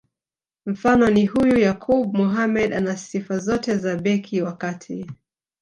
Mfano ni huyu Yakub Mohamed ana sifa zote za beki wa kati